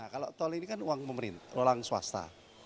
kalau tol ini kan uang pemerintah uang swasta